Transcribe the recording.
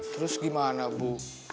terus gimana bu